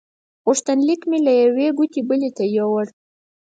غوښتنلیک مې له یوې کوټې بلې ته یووړ.